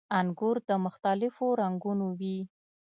• انګور د مختلفو رنګونو وي.